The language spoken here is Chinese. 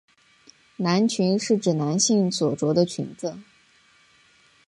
男裙是指男性所着的裙子。